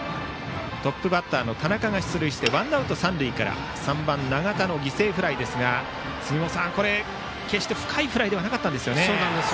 トップバッターの田中が出塁してワンアウト三塁から３番、永田の犠牲フライですが杉本さん、決して深いフライではなかったですね。